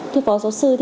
thưa phó giáo sư